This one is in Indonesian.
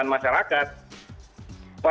ini menyalahkan masyarakat